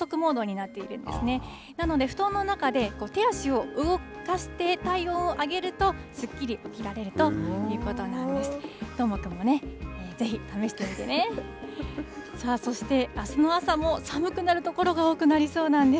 なので、布団の中で手足を動かして体温を上げると、すっきり起きられるということなんです。